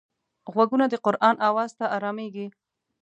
غوږونه د قرآن آواز ته ارامېږي